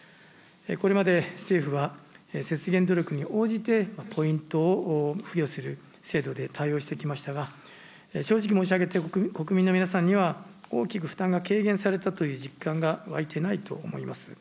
これまで政府は、節電努力に応じてポイントを付与する制度で対応してきましたが、正直申し上げて、国民の皆さんには大きく負担が軽減されたという実感が湧いてないと思います。